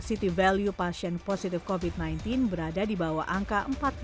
city value pasien positif covid sembilan belas berada di bawah angka empat puluh